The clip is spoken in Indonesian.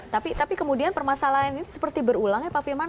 tapi kemudian permasalahan ini seperti berulang ya pak firman